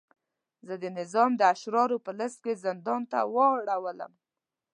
زه د نظام د اشرارو په لست کې زندان ته ولاړم.